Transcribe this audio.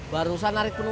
barusan narik penuh